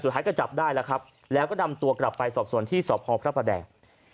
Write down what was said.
สุดท้ายก็จับได้แล้วก็นำตัวกลับไปสอบสวนที่สอบพรพระบาดแดง